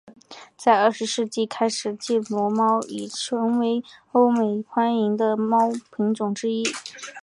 在二十世纪开始暹罗猫已成为欧美受欢迎的猫品种之一。